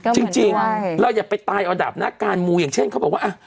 จริงจริงเราอยากไปตายอดับหน้าการหมูอย่างเช่นเค้าบอกว่าอ่ะ